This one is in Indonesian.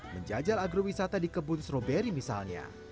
menjajal agrowisata di kebun stroberi misalnya